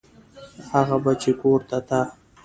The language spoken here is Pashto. هغه به چې کور ته ته.